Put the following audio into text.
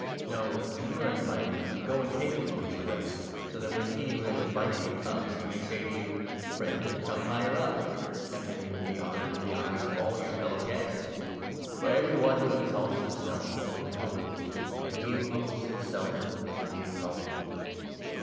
No, when you are invited, go and take the lowest 10 place, so that, when he who has invited you comes, he may say to you ' Friend, come higher up '; and then you will be honoured in the eyes of all your fellow guests. For every one n who exalts himself will be humbled, and he who humbles himself will be exalted."